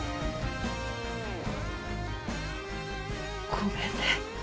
ごめんね。